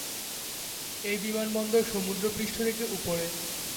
এই বিমানবন্দর সমুদ্রপৃষ্ঠ থেকে উপরে।